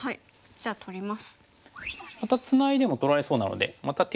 じゃあまた取ります。